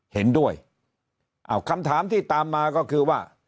เห็นด้วยอ้าวคำถามที่ตามมาก็คือว่า